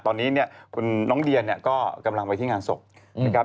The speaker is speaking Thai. ตอนนี้น้องเดียกำลังไปที่งานศพ